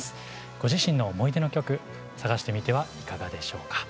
ご自身の思い出の曲探してみてはいかがでしょうか。